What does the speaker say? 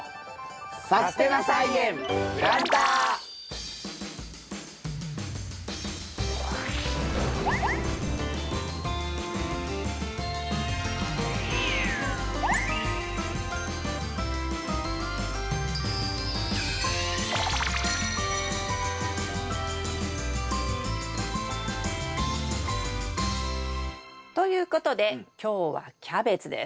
「さすてな菜園プランター」。ということで今日はキャベツです。